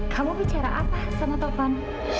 kamu bicara apa sama topan